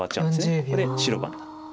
ここで白番。